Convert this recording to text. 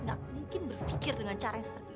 gak mungkin berfikir dengan cara yang seperti itu